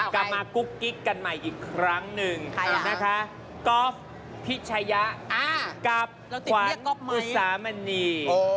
ชัยะกับขวัญอุษามณี